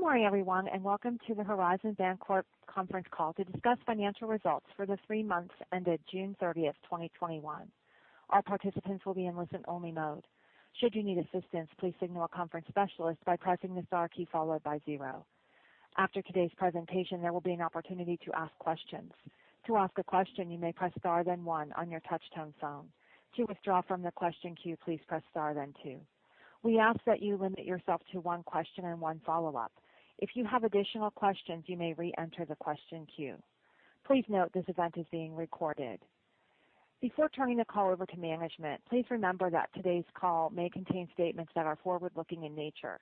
Good morning, everyone, and welcome to the Horizon Bancorp Conference Call to discuss financial results for the three months ended June 30th, 2021. All participants will be in listen-only mode. After today's presentation, there will be an opportunity to ask questions. We ask that you limit yourself to one question and one follow-up. If you have additional questions, you may re-enter the question queue. Please note this event is being recorded. Before turning the call over to management, please remember that today's call may contain statements that are forward-looking in nature.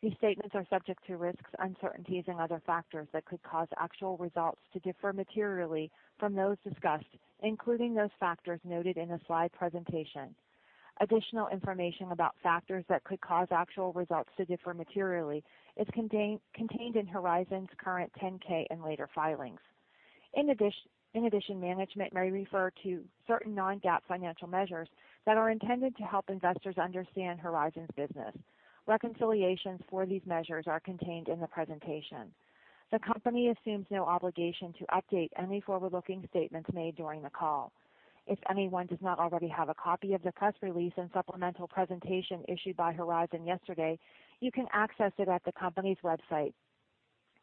These statements are subject to risks, uncertainties, and other factors that could cause actual results to differ materially from those discussed, including those factors noted in the slide presentation. Additional information about factors that could cause actual results to differ materially is contained in Horizon's current 10-K and later filings. In addition, management may refer to certain non-GAAP financial measures that are intended to help investors understand Horizon's business. Reconciliations for these measures are contained in the presentation. The company assumes no obligation to update any forward-looking statements made during the call. If anyone does not already have a copy of the press release and supplemental presentation issued by Horizon yesterday, you can access it at the company's website,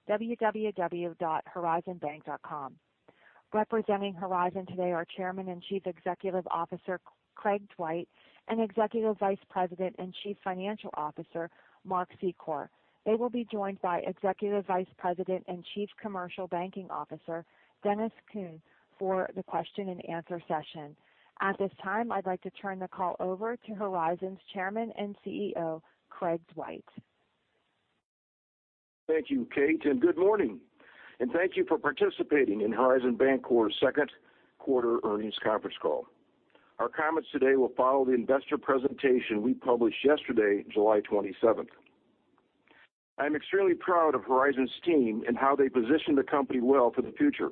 www.horizonbank.com. Representing Horizon today are Chairman and Chief Executive Officer, Craig Dwight, and Executive Vice President and Chief Financial Officer, Mark Secor. They will be joined by Executive Vice President and Chief Commercial Banking Officer, Dennis Kuhn, for the question and answer session. At this time, I'd like to turn the call over to Horizon's Chairman and CEO, Craig Dwight. Thank you, Kate, and good morning. Thank you for participating in Horizon Bancorp's second quarter earnings conference call. Our comments today will follow the investor presentation we published yesterday, July 27th. I'm extremely proud of Horizon's team and how they positioned the company well for the future.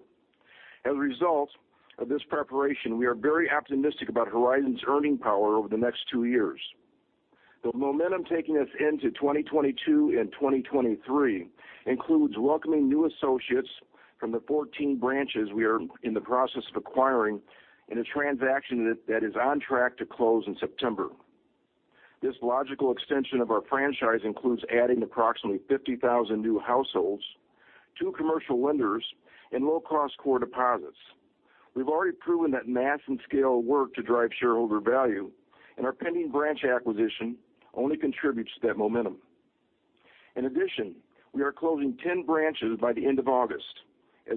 As a result of this preparation, we are very optimistic about Horizon's earning power over the next two years. The momentum taking us into 2022 and 2023 includes welcoming new associates from the 14 branches we are in the process of acquiring in a transaction that is on track to close in September. This logical extension of our franchise includes adding approximately 50,000 new households, two commercial lenders, and low-cost core deposits. We've already proven that mass and scale work to drive shareholder value, and our pending branch acquisition only contributes to that momentum. We are closing 10 branches by the end of August.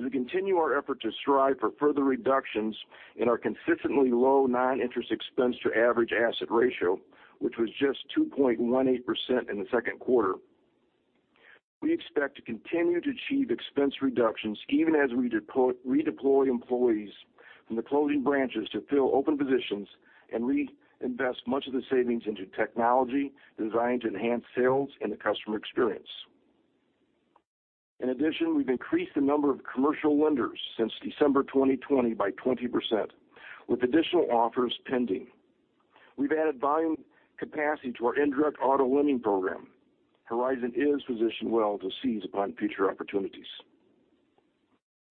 We continue our effort to strive for further reductions in our consistently low non-interest expense to average asset ratio, which was just 2.18% in the second quarter. We expect to continue to achieve expense reductions even as we redeploy employees from the closing branches to fill open positions and reinvest much of the savings into technology designed to enhance sales and the customer experience. We've increased the number of commercial lenders since December 2020 by 20%, with additional offers pending. We've added volume capacity to our indirect auto lending program. Horizon is positioned well to seize upon future opportunities.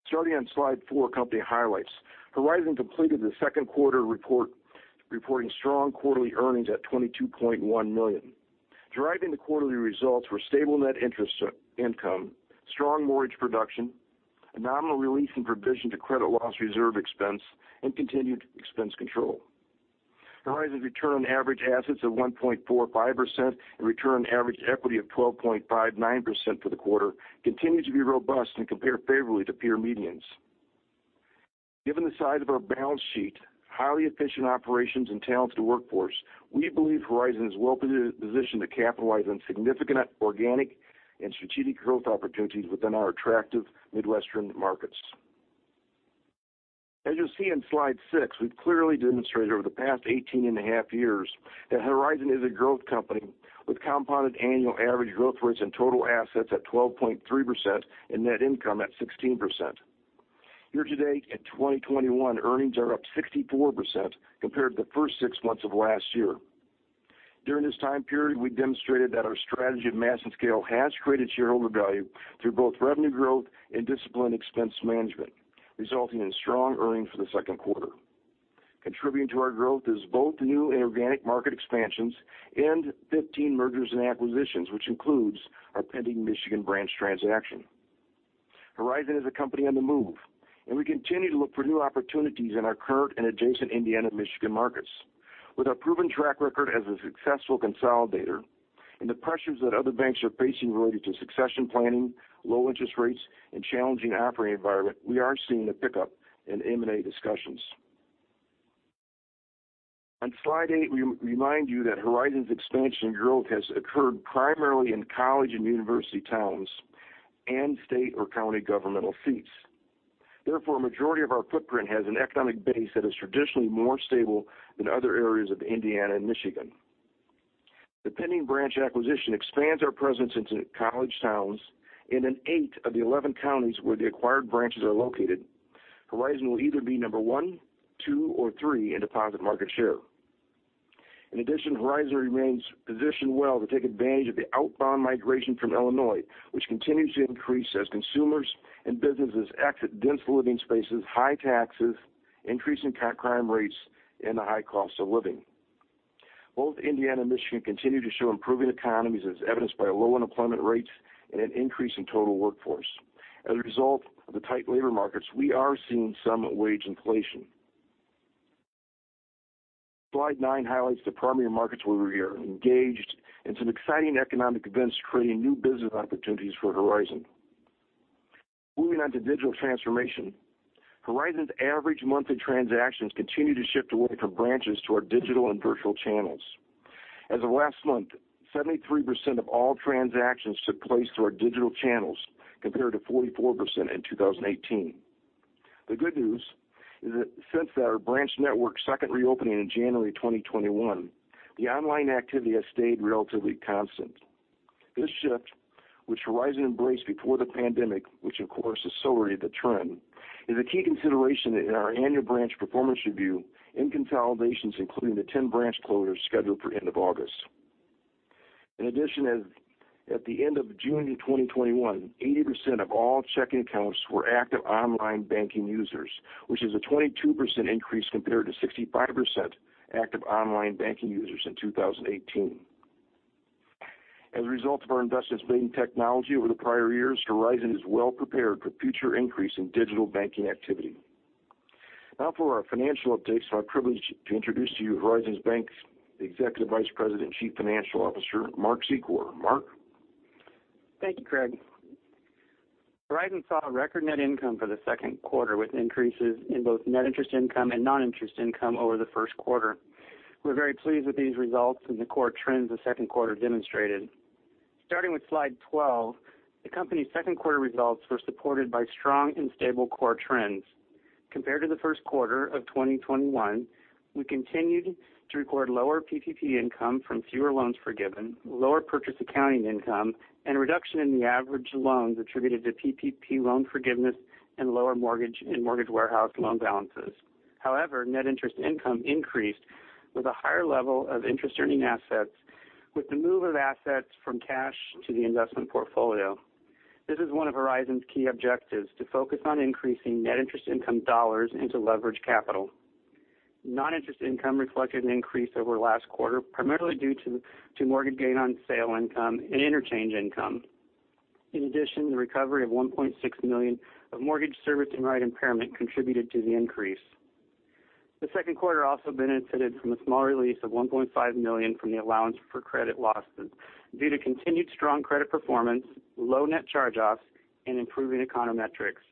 Starting on slide 4, company highlights. Horizon completed the second quarter report, reporting strong quarterly earnings at $22.1 million. Driving the quarterly results were stable net interest income, strong mortgage production, a nominal release in provision to credit loss reserve expense, and continued expense control. Horizon's return on average assets of 1.45% and return on average equity of 12.59% for the quarter continued to be robust and compare favorably to peer medians. Given the size of our balance sheet, highly efficient operations, and talented workforce, we believe Horizon is well-positioned to capitalize on significant organic and strategic growth opportunities within our attractive Midwestern markets. As you'll see in slide 6, we've clearly demonstrated over the past 18 and a half years that Horizon is a growth company with compounded annual average growth rates and total assets at 12.3% and net income at 16%. Year-to-date in 2021, earnings are up 64% compared to the first six months of last year. During this time period, we demonstrated that our strategy of mass and scale has created shareholder value through both revenue growth and disciplined expense management, resulting in strong earnings for the second quarter. Contributing to our growth is both the new and organic market expansions and 15 mergers and acquisitions, which includes our pending Michigan branch transaction. Horizon is a company on the move, and we continue to look for new opportunities in our current and adjacent Indiana-Michigan markets. With our proven track record as a successful consolidator and the pressures that other banks are facing related to succession planning, low interest rates, and challenging operating environment, we are seeing a pickup in M&A discussions. On slide 8, we remind you that Horizon's expansion growth has occurred primarily in college and university towns and state or county governmental seats. A majority of our footprint has an economic base that is traditionally more stable than other areas of Indiana and Michigan. The pending branch acquisition expands our presence into college towns in eight of the 11 counties where the acquired branches are located. Horizon will either be number 1, 2, or 3 in deposit market share. Horizon remains positioned well to take advantage of the outbound migration from Illinois, which continues to increase as consumers and businesses exit dense living spaces, high taxes, increasing crime rates, and the high cost of living. Both Indiana and Michigan continue to show improving economies as evidenced by low unemployment rates and an increase in total workforce. As a result of the tight labor markets, we are seeing some wage inflation. Slide 9 highlights the primary markets where we are engaged and some exciting economic events creating new business opportunities for Horizon. Moving on to digital transformation. Horizon's average monthly transactions continue to shift away from branches to our digital and virtual channels. As of last month, 73% of all transactions took place through our digital channels, compared to 44% in 2018. The good news is that since our branch network second reopening in January 2021, the online activity has stayed relatively constant. This shift, which Horizon embraced before the pandemic, which of course accelerated the trend, is a key consideration in our annual branch performance review and consolidations, including the 10 branch closures scheduled for end of August. In addition, at the end of June 2021, 80% of all checking accounts were active online banking users, which is a 22% increase compared to 65% active online banking users in 2018. As a result of our investments made in technology over the prior years, Horizon is well prepared for future increase in digital banking activity. Now for our financial updates. It's my privilege to introduce to you Horizon Bank's Executive Vice President and Chief Financial Officer, Mark Secor. Mark? Thank you, Craig. Horizon saw record net income for the second quarter, with increases in both net interest income and non-interest income over the first quarter. We're very pleased with these results and the core trends the second quarter demonstrated. Starting with slide 12, the company's second quarter results were supported by strong and stable core trends. Compared to the first quarter of 2021, we continued to record lower PPP income from fewer loans forgiven, lower purchase accounting income, and a reduction in the average loans attributed to PPP loan forgiveness and lower mortgage and mortgage warehouse loan balances. However, net interest income increased with a higher level of interest-earning assets with the move of assets from cash to the investment portfolio. This is one of Horizon's key objectives, to focus on increasing net interest income dollars and to leverage capital. Non-interest income reflected an increase over last quarter, primarily due to mortgage gain on sale income and interchange income. In addition, the recovery of $1.6 million of mortgage servicing right impairment contributed to the increase. The second quarter also benefited from a small release of $1.5 million from the allowance for credit losses due to continued strong credit performance, low net charge-offs, and improving econometrics.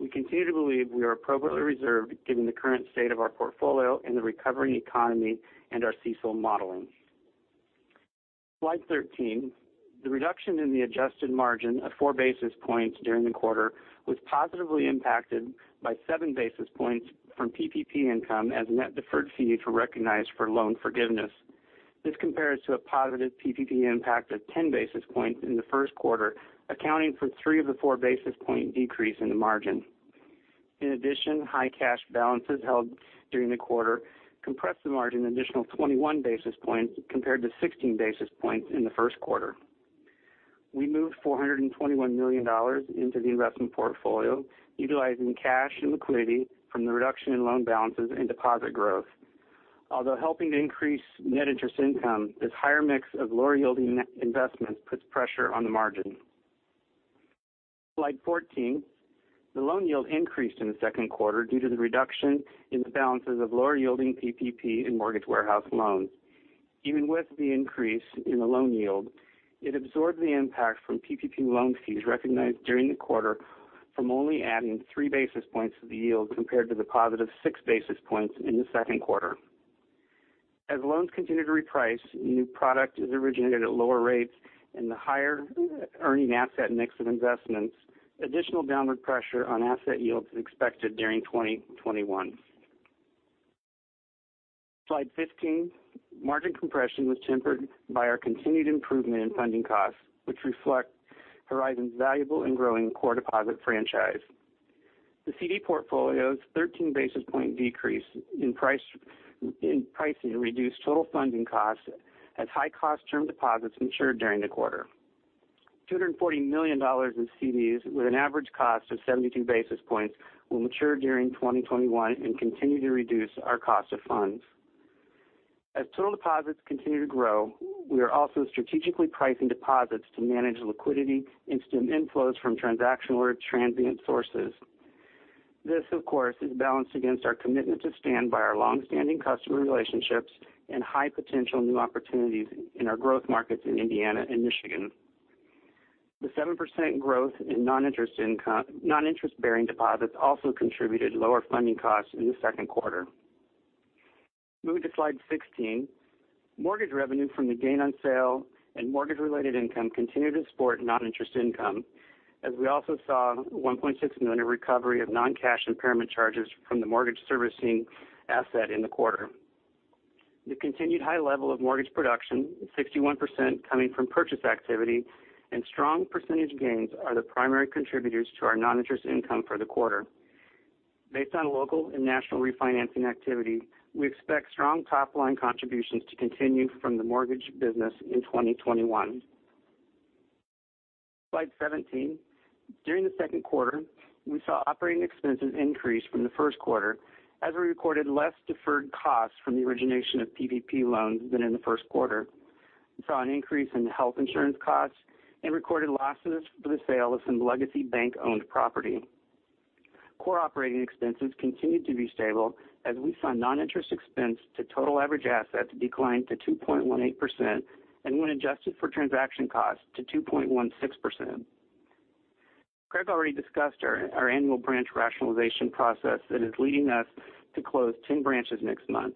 We continue to believe we are appropriately reserved given the current state of our portfolio and the recovering economy and our CECL modeling. Slide 13. The reduction in the adjusted margin of 4 basis points during the quarter was positively impacted by 7 basis points from PPP income as net deferred fees were recognized for loan forgiveness. This compares to a positive PPP impact of 10 basis points in the first quarter, accounting for 3 of the 4 basis point decrease in the margin. In addition, high cash balances held during the quarter compressed the margin an additional 21 basis points compared to 16 basis points in the first quarter. We moved $421 million into the investment portfolio utilizing cash and liquidity from the reduction in loan balances and deposit growth. Although helping to increase net interest income, this higher mix of lower-yielding investments puts pressure on the margin. Slide 14. The loan yield increased in the second quarter due to the reduction in the balances of lower-yielding PPP and mortgage warehouse loans. Even with the increase in the loan yield, it absorbed the impact from PPP loan fees recognized during the quarter from only adding three basis points to the yield compared to the positive six basis points in the second quarter. As loans continue to reprice, new product is originated at lower rates and the higher earning asset mix of investments, additional downward pressure on asset yields is expected during 2021. Slide 15. Margin compression was tempered by our continued improvement in funding costs, which reflect Horizon's valuable and growing core deposit franchise. The CD portfolio's 13 basis point decrease in pricing reduced total funding costs as high-cost term deposits matured during the quarter. $240 million in CDs with an average cost of 72 basis points will mature during 2021 and continue to reduce our cost of funds. As total deposits continue to grow, we are also strategically pricing deposits to manage liquidity and stem inflows from transactional or transient sources. This, of course, is balanced against our commitment to stand by our longstanding customer relationships and high potential new opportunities in our growth markets in Indiana and Michigan. The 7% growth in non-interest-bearing deposits also contributed to lower funding costs in the second quarter. Moving to Slide 16. Mortgage revenue from the gain on sale and mortgage-related income continued to support non-interest income, as we also saw $1.6 million recovery of non-cash impairment charges from the mortgage servicing asset in the quarter. The continued high level of mortgage production, with 61% coming from purchase activity, and strong percentage gains are the primary contributors to our non-interest income for the quarter. Based on local and national refinancing activity, we expect strong top-line contributions to continue from the mortgage business in 2021. Slide 17. During the second quarter, we saw operating expenses increase from the first quarter as we recorded less deferred costs from the origination of PPP loans than in the first quarter. We saw an increase in health insurance costs and recorded losses for the sale of some legacy bank-owned property. Core operating expenses continued to be stable as we saw non-interest expense to total average assets decline to 2.18%, and when adjusted for transaction costs, to 2.16%. Craig already discussed our annual branch rationalization process that is leading us to close 10 branches next month.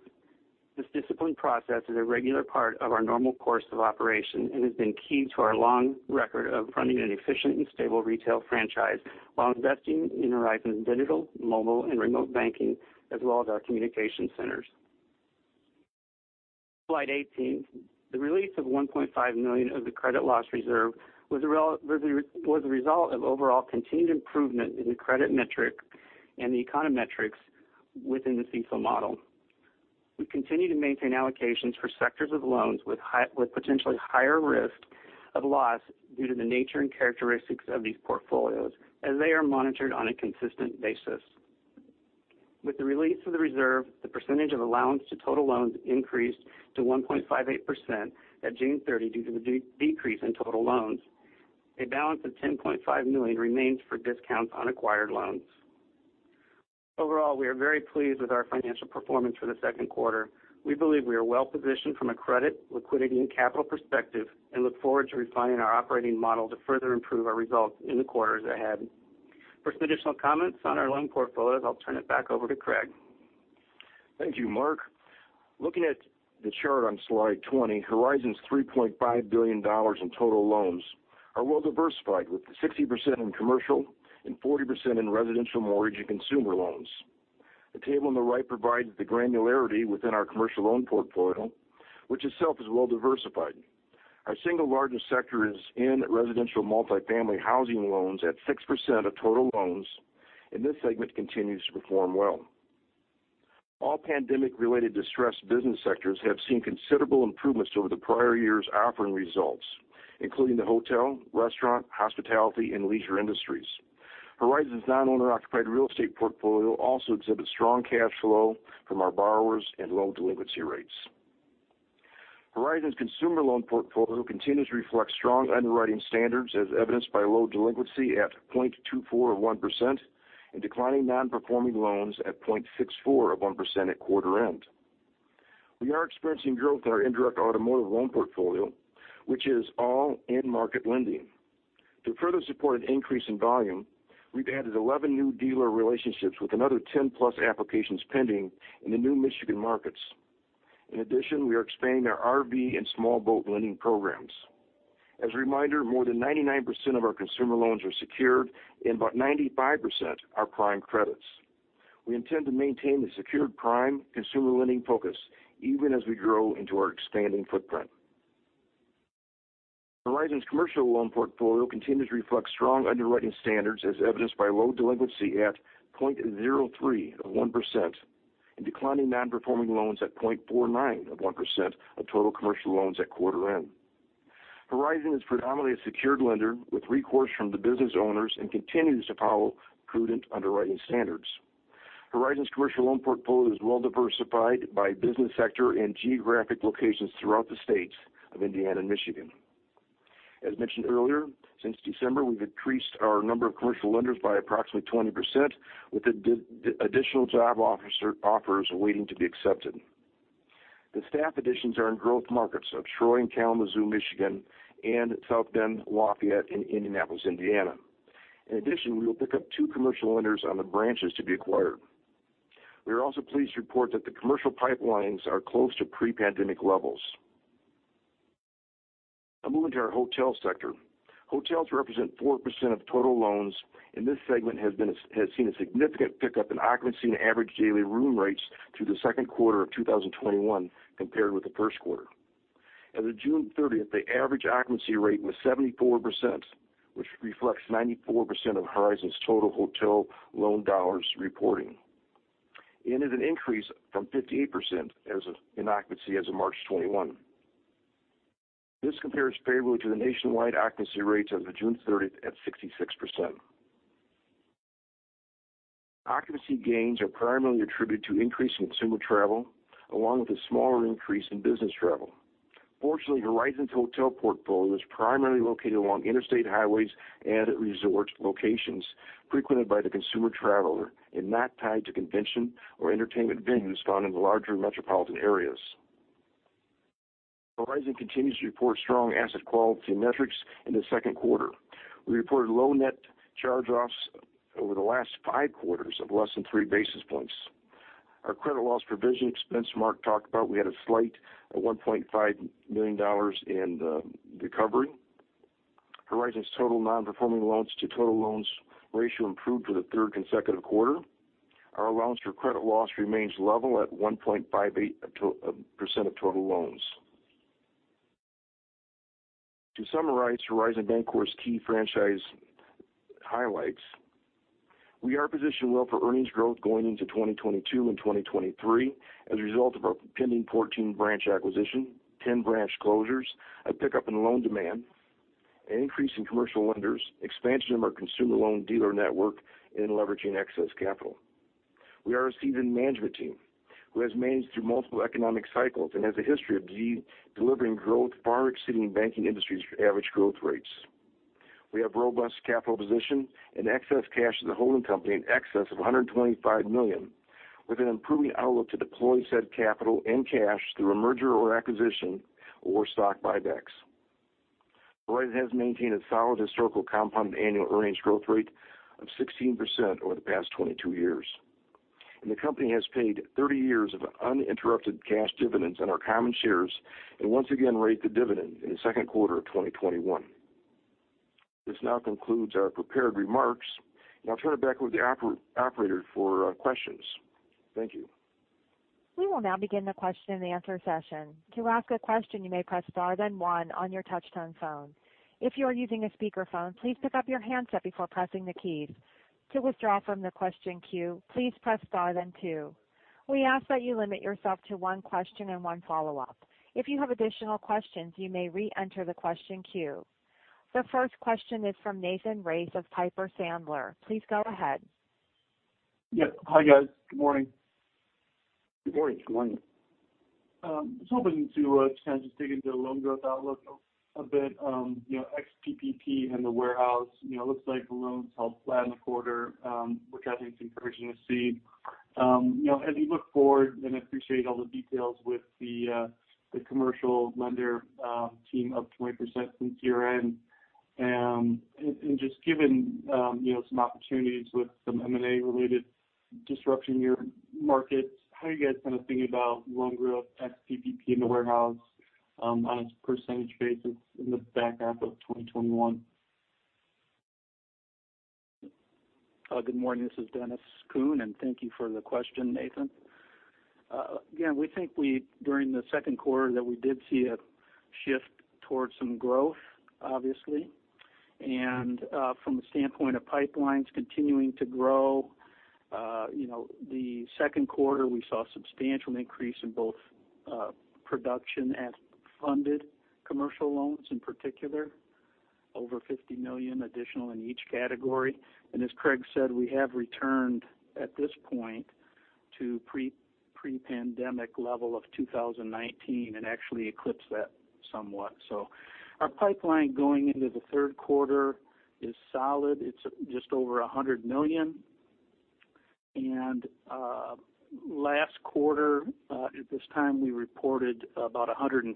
This disciplined process is a regular part of our normal course of operation and has been key to our long record of running an efficient and stable retail franchise while investing in Horizon's digital, mobile, and remote banking, as well as our communication centers. Slide 18. The release of $1.5 million of the credit loss reserve was the result of overall continued improvement in the credit metric and the econometrics within the CECL model. We continue to maintain allocations for sectors of loans with potentially higher risk of loss due to the nature and characteristics of these portfolios, as they are monitored on a consistent basis. With the release of the reserve, the percentage of allowance to total loans increased to 1.58% at June 30 due to the decrease in total loans. A balance of $10.5 million remains for discounts on acquired loans. Overall, we are very pleased with our financial performance for the second quarter. We believe we are well-positioned from a credit, liquidity, and capital perspective, and look forward to refining our operating model to further improve our results in the quarters ahead. For some additional comments on our loan portfolios, I'll turn it back over to Craig. Thank you, Mark. Looking at the chart on slide 20, Horizon's $3.5 billion in total loans are well-diversified, with 60% in commercial and 40% in residential mortgage and consumer loans. The table on the right provides the granularity within our commercial loan portfolio, which itself is well-diversified. Our single largest sector is in residential multifamily housing loans at 6% of total loans, and this segment continues to perform well. All pandemic-related distressed business sectors have seen considerable improvements over the prior year's operating results, including the hotel, restaurant, hospitality, and leisure industries. Horizon's non-owner-occupied real estate portfolio also exhibits strong cash flow from our borrowers and low delinquency rates. Horizon's consumer loan portfolio continues to reflect strong underwriting standards, as evidenced by low delinquency at 0.24 of 1%, and declining non-performing loans at 0.64 of 1% at quarter end. We are experiencing growth in our indirect automotive loan portfolio, which is all in-market lending. To further support an increase in volume, we've added 11 new dealer relationships with another 10-plus applications pending in the new Michigan markets. In addition, we are expanding our RV and small boat lending programs. As a reminder, more than 99% of our consumer loans are secured, and about 95% are prime credits. We intend to maintain the secured prime consumer lending focus even as we grow into our expanding footprint. Horizon's commercial loan portfolio continues to reflect strong underwriting standards as evidenced by low delinquency at 0.03 of 1%, and declining non-performing loans at 0.49 of 1% of total commercial loans at quarter end. Horizon is predominantly a secured lender with recourse from the business owners and continues to follow prudent underwriting standards. Horizon's commercial loan portfolio is well-diversified by business sector and geographic locations throughout the states of Indiana and Michigan. As mentioned earlier, since December, we've increased our number of commercial lenders by approximately 20%, with additional job offers waiting to be accepted. The staff additions are in growth markets of Troy and Kalamazoo, Michigan, and South Bend, Lafayette, and Indianapolis, Indiana. In addition, we will pick up two commercial lenders on the branches to be acquired. We are also pleased to report that the commercial pipelines are close to pre-pandemic levels. Now moving to our hotel sector. Hotels represent 4% of total loans, and this segment has seen a significant pickup in occupancy and average daily room rates through the second quarter of 2021 compared with the first quarter. As of June 30th, the average occupancy rate was 74%, which reflects 94% of Horizon's total hotel loan dollars reporting. It is an increase from 58% in occupancy as of March 21. This compares favorably to the nationwide occupancy rates as of June 30th at 66%. Occupancy gains are primarily attributed to increase in consumer travel, along with a smaller increase in business travel. Fortunately, Horizon's hotel portfolio is primarily located along interstate highways and resort locations frequented by the consumer traveler and not tied to convention or entertainment venues found in the larger metropolitan areas. Horizon continues to report strong asset quality metrics in the second quarter. We reported low net charge-offs over the last five quarters of less than three basis points. Our credit loss provision expense, Mark talked about, we had a slight of $1.5 million in recovery. Horizon's total non-performing loans to total loans ratio improved for the third consecutive quarter. Our allowance for credit loss remains level at 1.58% of total loans. To summarize Horizon Bancorp's key franchise highlights, we are positioned well for earnings growth going into 2022 and 2023 as a result of our pending 14 branch acquisition, 10 branch closures, a pickup in loan demand, an increase in commercial lenders, expansion of our consumer loan dealer network, and leveraging excess capital. We are a seasoned management team who has managed through multiple economic cycles and has a history of delivering growth far exceeding banking industry's average growth rates. We have robust capital position and excess cash as a holding company in excess of $125 million, with an improving outlook to deploy said capital and cash through a merger or acquisition or stock buybacks. Horizon has maintained a solid historical compounded annual earnings growth rate of 16% over the past 22 years, and the company has paid 30 years of uninterrupted cash dividends on our common shares and once again raised the dividend in the second quarter of 2021. This now concludes our prepared remarks. Turn it back over to the operator for questions. Thank you. We will now begin the question and answer session. To ask a question, you may press star, then one on your touch-tone phone. If you are using a speakerphone, please pick up your handset before pressing the keys. To withdraw from the question queue, please press star, then two. We ask that you limit yourself to one question and one follow-up. If you have additional questions, you may re-enter the question queue. The first question is from Nathan Race of Piper Sandler. Please go ahead. Yeah. Hi, guys. Good morning. Good morning. Good morning. I was hoping to kind of just dig into the loan growth outlook a bit. Ex-PPP and the warehouse, looks like the loans held flat in the quarter, which I think is encouraging to see. As you look forward, I appreciate all the details with the commercial lender team up 20% from year-end. Just given some opportunities with some M&A-related disruption in your markets, how are you guys kind of thinking about loan growth ex-PPP in the warehouse on a percentage basis in the back half of 2021? Good morning. This is Dennis Kuhn, thank you for the question, Nathan. We think during the second quarter that we did see a shift towards some growth, obviously. From the standpoint of pipelines continuing to grow, the second quarter, we saw substantial increase in both production and funded commercial loans, in particular, $50 million additional in each category. As Craig Dwight said, we have returned at this point to pre-pandemic level of 2019 and actually eclipsed that somewhat. Our pipeline going into the third quarter is solid. It's $100 million. Last quarter, at this time, we reported $115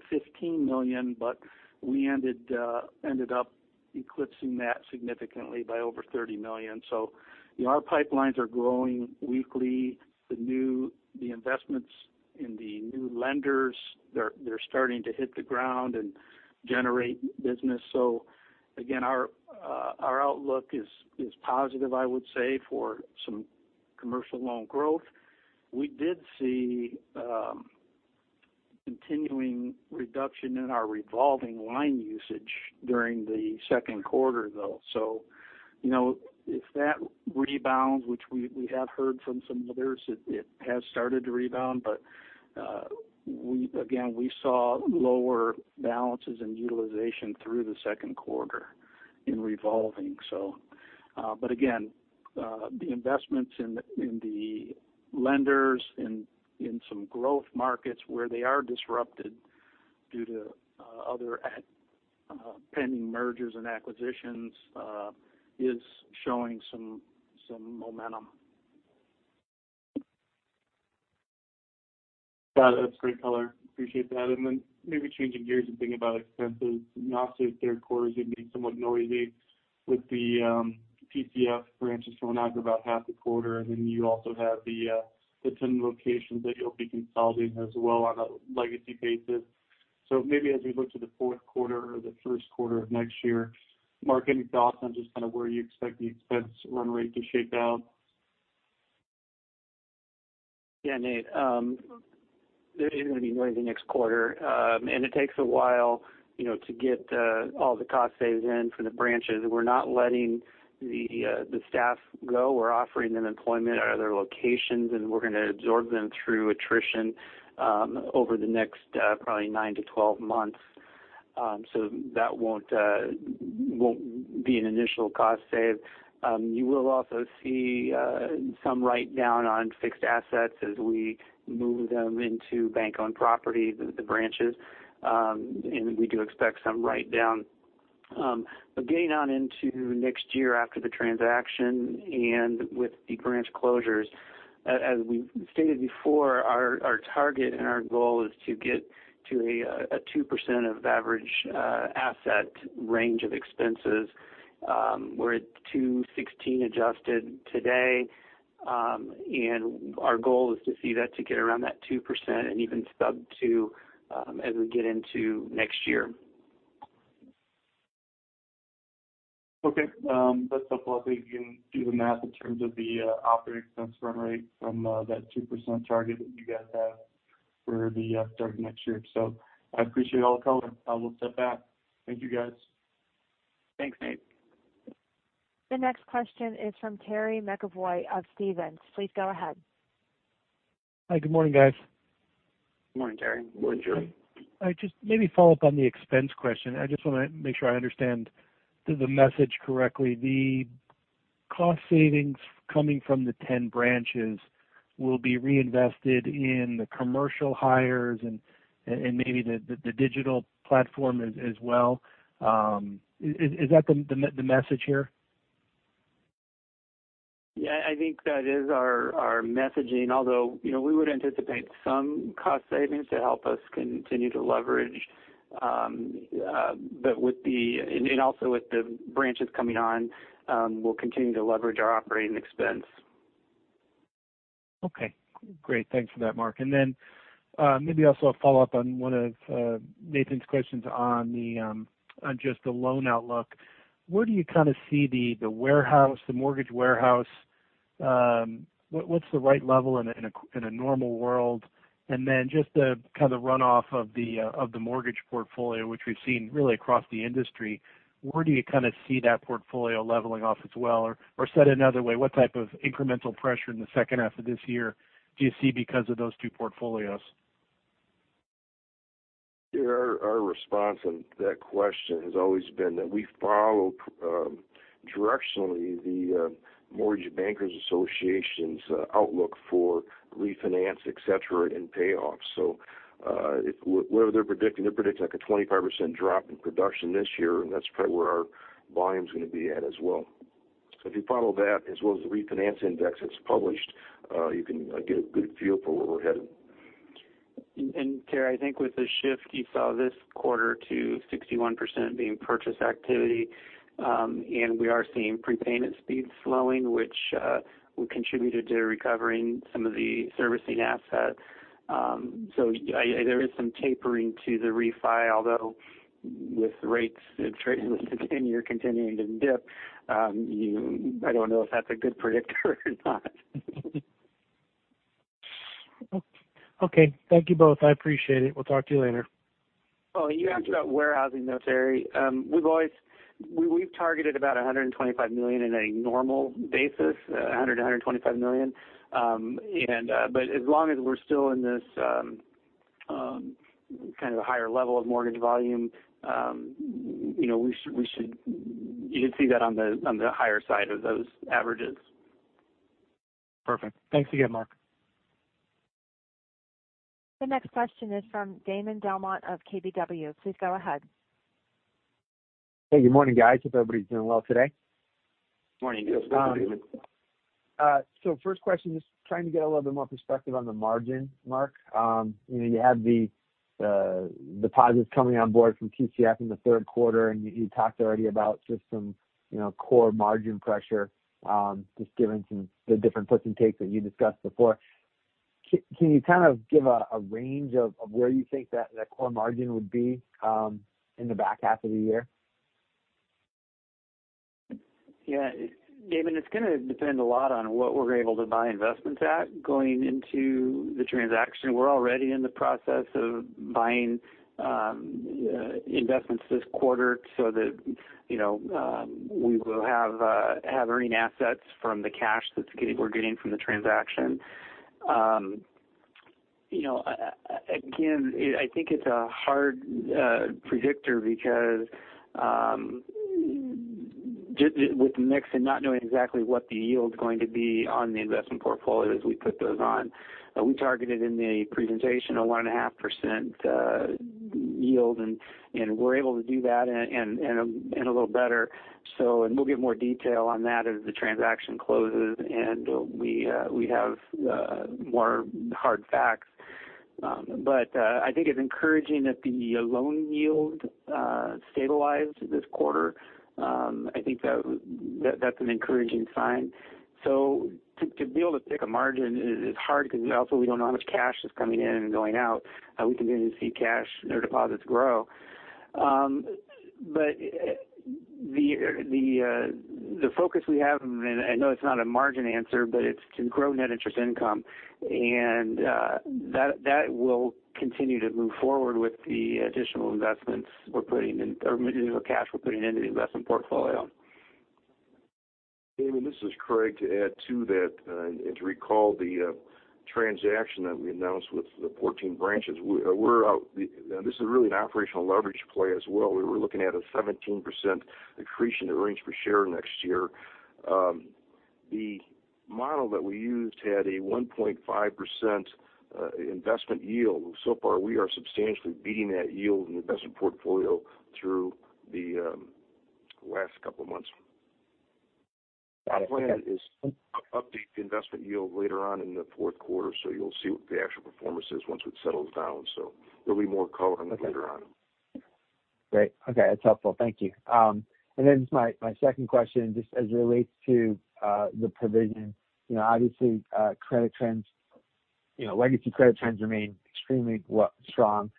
million, but we ended up eclipsing that significantly by $30 million. Our pipelines are growing weekly. The investments in the new lenders, they're starting to hit the ground and generate business. Again, our outlook is positive, I would say, for some commercial loan growth. We did see continuing reduction in our revolving line usage during the second quarter, though. If that rebounds, which we have heard from some others, it has started to rebound. Again, we saw lower balances and utilization through the second quarter in revolving. Again, the investments in the lenders in some growth markets where they are disrupted due to other pending mergers and acquisitions is showing some momentum. Got it. That's great color. Appreciate that. Maybe changing gears and thinking about expenses. Obviously, third quarter is going to be somewhat noisy with the TCF branches going out for about half the quarter, and then you also have the 10 locations that you'll be consolidating as well on a legacy basis. Maybe as we look to the fourth quarter or the first quarter of next year, Mark, any thoughts on just kind of where you expect the expense run rate to shake out? Yeah, Nate. It is going to be noisy next quarter, and it takes a while to get all the cost saves in from the branches. We're not letting the staff go. We're offering them employment at other locations, and we're going to absorb them through attrition over the next probably 9 to 12 months. That won't be an initial cost save. You will also see some write-down on fixed assets as we move them into bank-owned property, the branches, and we do expect some write-down. Getting on into next year after the transaction and with the branch closures, as we've stated before, our target and our goal is to get to a 2% of average asset range of expenses We're at 216 adjusted today. Our goal is to see that to get around that 2% and even sub 2 as we get into next year. Okay. That's helpful. I think you can do the math in terms of the operating expense run rate from that 2% target that you guys have for the start of next year. I appreciate all the color. I will step back. Thank you, guys. Thanks, Nate. The next question is from Terry McEvoy of Stephens. Please go ahead. Hi. Good morning, guys. Good morning, Terry. Good morning, Terry. I just maybe follow up on the expense question. I just want to make sure I understand the message correctly. The cost savings coming from the 10 branches will be reinvested in the commercial hires and maybe the digital platform as well. Is that the message here? Yeah, I think that is our messaging. We would anticipate some cost savings to help us continue to leverage. Also with the branches coming on, we'll continue to leverage our operating expense. Okay, great. Thanks for that, Mark. Maybe also a follow-up on one of Nathan's questions on just the loan outlook. Where do you kind of see the mortgage warehouse? What's the right level in a normal world? Just the kind of runoff of the mortgage portfolio, which we've seen really across the industry, where do you kind of see that portfolio leveling off as well? Said another way, what type of incremental pressure in the second half of this year do you see because of those two portfolios? Yeah, our response to that question has always been that we follow directionally the Mortgage Bankers Association's outlook for refinance, et cetera, and payoffs. Whatever they're predicting, they're predicting like a 25% drop in production this year, and that's probably where our volume's going to be at as well. If you follow that as well as the refinance index that's published, you can get a good feel for where we're headed. Terry, I think with the shift you saw this quarter to 61% being purchase activity, we are seeing prepayment speeds slowing, which contributed to recovering some of the servicing assets. There is some tapering to the refi, although with rates in the 10-year continuing to dip, I don't know if that's a good predictor or not. Okay. Thank you both. I appreciate it. We'll talk to you later. You asked about warehousing though, Terry. We've targeted about $125 million in a normal basis, $100 million-$125 million. As long as we're still in this kind of a higher level of mortgage volume, you should see that on the higher side of those averages. Perfect. Thanks again, Mark. The next question is from Damon DelMonte of KBW. Please go ahead. Hey, good morning, guys. Hope everybody's doing well today. Morning. Good morning, Damon. First question, just trying to get a little bit more perspective on the margin, Mark. You have the deposits coming on board from TCF in the third quarter, and you talked already about just some core margin pressure, just given the different puts and takes that you discussed before. Can you kind of give a range of where you think that core margin would be in the back half of the year? Yeah. Damon, it's going to depend a lot on what we're able to buy investments at going into the transaction. We're already in the process of buying investments this quarter so that we will have earning assets from the cash that we're getting from the transaction. I think it's a hard predictor because with the mix and not knowing exactly what the yield's going to be on the investment portfolio as we put those on. We targeted in the presentation a 1.5% yield, and we're able to do that and a little better. We'll give more detail on that as the transaction closes and we have more hard facts. I think it's encouraging that the loan yield stabilized this quarter. I think that's an encouraging sign. To be able to pick a margin is hard because also we don't know how much cash is coming in and going out. We continue to see cash, their deposits grow. The focus we have, and I know it's not a margin answer, but it's to grow net interest income, and that will continue to move forward with the additional investments we're putting in or additional cash we're putting into the investment portfolio. Damon, this is Craig to add to that. To recall the transaction that we announced with the 14 branches. This is really an operational leverage play as well. We were looking at a 17% accretion to earnings per share next year. The model that we used had a 1.5% investment yield. Far, we are substantially beating that yield in the investment portfolio through the last couple of months. Our plan is update the investment yield later on in the fourth quarter, so you'll see what the actual performance is once it settles down. There'll be more color on that later on. Great. Okay. That's helpful. Thank you. Then just my second question, just as it relates to the provision, obviously, legacy credit trends remain extremely strong.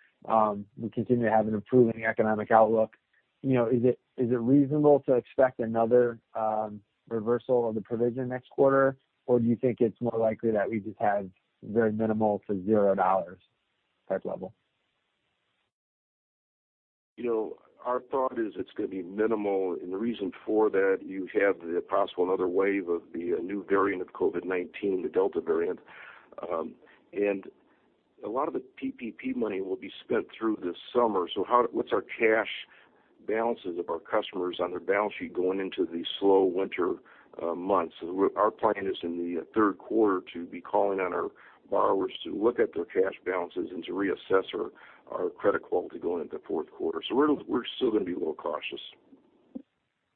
We continue to have an improving economic outlook. Is it reasonable to expect another reversal of the provision next quarter? Do you think it's more likely that we just have very minimal to $0 type level? Our thought is it's going to be minimal. The reason for that, you have the possible another wave of the new variant of COVID-19, the Delta variant. A lot of the PPP money will be spent through this summer. What's our cash balances of our customers on their balance sheet going into the slow winter months? Our plan is in the third quarter to be calling on our borrowers to look at their cash balances and to reassess our credit quality going into fourth quarter. We're still going to be a little cautious.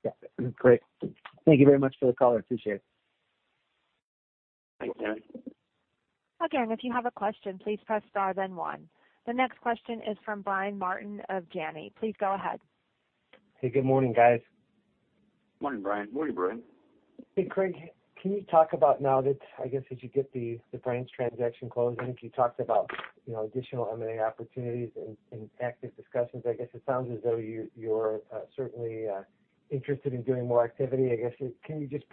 Yeah. Great. Thank you very much for the color. Appreciate it. Thanks, Damon. Again, if you have a question, please press star then one. The next question is from Brian Martin of Janney. Please go ahead. Hey, good morning, guys. Morning, Brian. Hey, Craig. Can you talk about now that, I guess, as you get the Branch transaction closed, I think you talked about additional M&A opportunities and active discussions. I guess it sounds as though you're certainly interested in doing more activity. I guess, can you just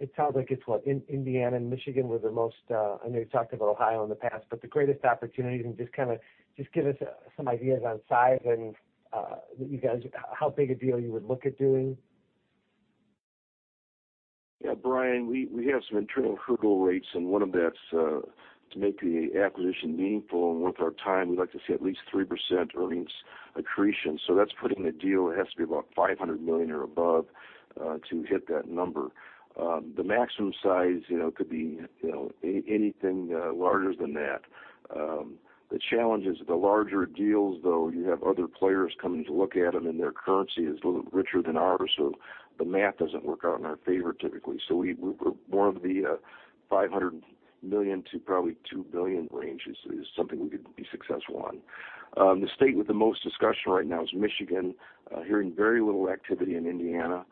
It sounds like it's Indiana and Michigan were the most, I know you talked about Ohio in the past, but the greatest opportunities, and just kind of just give us some ideas on size and how big a deal you would look at doing? Yeah, Brian, we have some internal hurdle rates, and one of that's to make the acquisition meaningful and worth our time. We'd like to see at least 3% earnings accretion. That's putting the deal, it has to be about $500 million or above to hit that number. The maximum size could be anything larger than that. The challenge is the larger deals, though, you have other players coming to look at them, and their currency is a little richer than ours, so the math doesn't work out in our favor typically. We're more of the $500 million to probably $2 billion range is something we could be successful on. The state with the most discussion right now is Michigan. We are hearing very little activity in Indiana.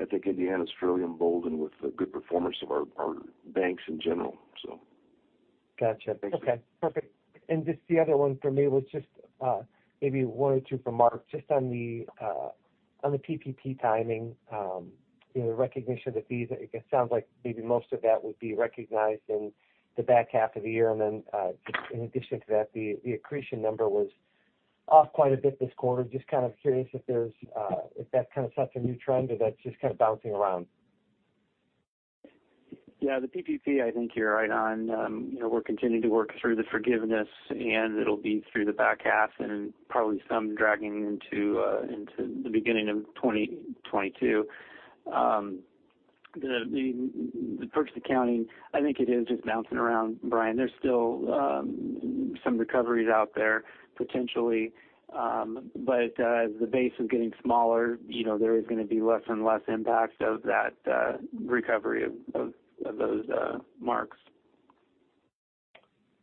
I think Indiana is fairly emboldened with the good performance of our banks in general. Got you. Thanks. Okay, perfect. Just the other one for me was just maybe one or two for Mark, just on the PPP timing, the recognition of the fees. It sounds like maybe most of that would be recognized in the back half of the year. In addition to that, the accretion number was off quite a bit this quarter. Just kind of curious if that's kind of such a new trend or that's just kind of bouncing around. Yeah, the PPP, I think you're right on. We're continuing to work through the forgiveness, and it'll be through the back half and probably some dragging into the beginning of 2022. The purchase accounting, I think it is just bouncing around, Brian. There's still some recoveries out there potentially. As the base is getting smaller, there is going to be less and less impact of that recovery of those marks.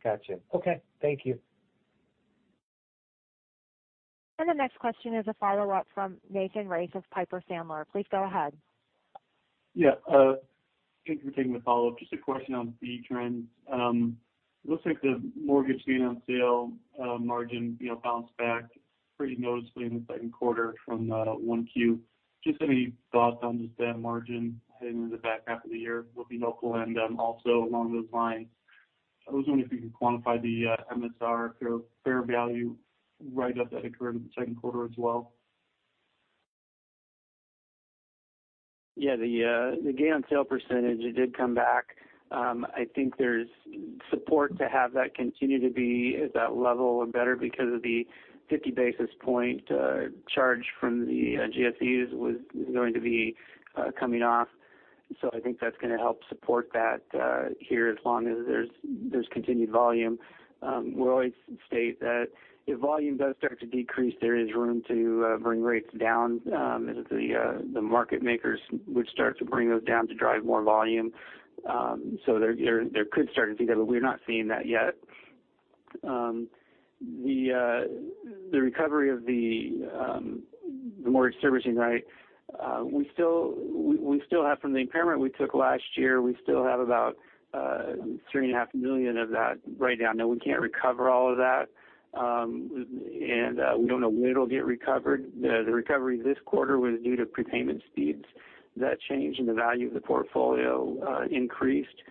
Got you. Okay. Thank you. The next question is a follow-up from Nathan Race of Piper Sandler. Please go ahead. Yeah. Thanks for taking the follow-up. Just a question on fee trends. Looks like the mortgage gain on sale margin bounced back pretty noticeably in the second quarter from 1Q. Just any thoughts on just that margin heading into the back half of the year would be helpful. Also along those lines, I was wondering if you could quantify the MSR fair value write-up that occurred in the second quarter as well. The gain on sale percentage did come back. There's support to have that continue to be at that level or better because of the 50 basis point charge from the GSEs was going to be coming off. That's going to help support that here as long as there's continued volume. We'll always state that if volume does start to decrease, there is room to bring rates down as the market makers would start to bring those down to drive more volume. There could start to see that, but we're not seeing that yet. The recovery of the mortgage servicing right, from the impairment we took last year, we still have about $3.5 million of that writedown. We can't recover all of that. We don't know when it'll get recovered. The recovery this quarter was due to prepayment speeds. That changed, and the value of the portfolio increased.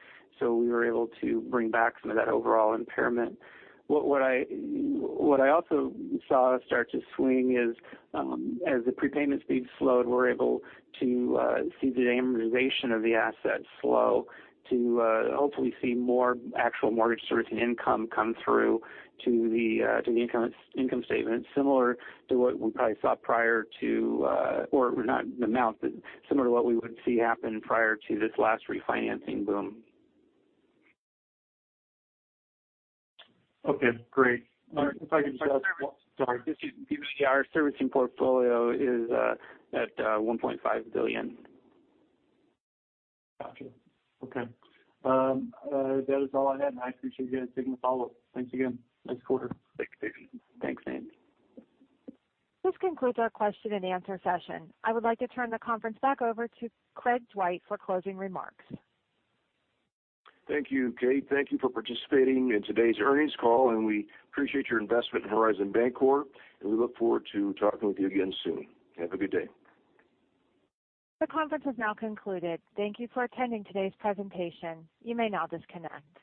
We were able to bring back some of that overall impairment. What I also saw start to swing is as the prepayment speeds slowed, we're able to see the amortization of the asset slow to hopefully see more actual mortgage servicing income come through to the income statement. Similar to what we probably saw, or not the amount, but similar to what we would see happen prior to this last refinancing boom. Okay, great. Sorry. Our servicing portfolio is at $1.5 billion. Got you. Okay. That is all I had, and I appreciate you guys taking the follow-up. Thanks again. Nice quarter. Thanks, Nathan. Thanks, Nathan. This concludes our question and answer session. I would like to turn the conference back over to Craig Dwight for closing remarks. Thank you, Kate. Thank you for participating in today's earnings call, and we appreciate your investment in Horizon Bancorp, and we look forward to talking with you again soon. Have a good day. The conference has now concluded. Thank you for attending today's presentation. You may now disconnect.